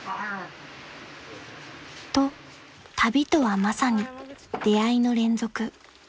［と旅とはまさに出会いの連続］